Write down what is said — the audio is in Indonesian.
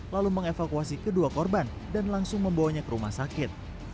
lalu mengevakuasi kedua korban dan langsung membawanya ke rumah sakit